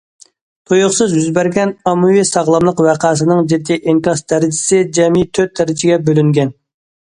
تۇيۇقسىز يۈز بەرگەن ئاممىۋى ساغلاملىق ۋەقەسىنىڭ جىددىي ئىنكاس دەرىجىسى جەمئىي تۆت دەرىجىگە بۆلۈنگەن.